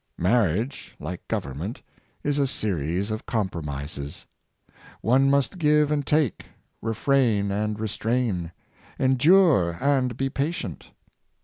Marriage, like government, is a series of compromises. One must give and take, refrain and restrain, endure and be pa tient.